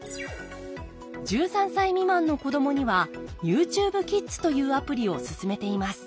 １３歳未満の子どもにはＹｏｕＴｕｂｅＫｉｄｓというアプリを勧めています。